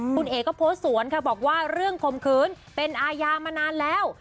คุณเอ๋ก็โพสต์สวนค่ะบอกว่าเรื่องข่มขืนเป็นอาญามานานแล้ว